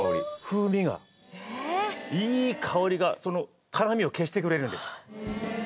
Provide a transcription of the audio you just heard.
いい香りがその辛みを消してくれるんです